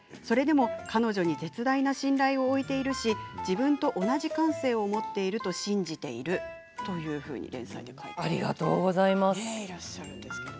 それでも彼女に絶大な信頼を置いているし自分と同じ感性を持っていると信じている。」というふうに連載で書いていらっしゃいます。